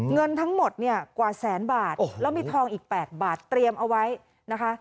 เงินทั้งหมดเนี่ยกว่าแสนบาทแล้วมีทองอีก๘บาทเตรียมเอาไว้นะคะ